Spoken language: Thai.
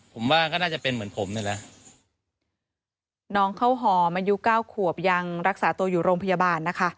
ผมว่าก็น่าจะเป็นเหมือนผมนี่แหละน้องข้าวหอมอายุเก้าขวบยังรักษาตัวอยู่โรงพยาบาลนะคะ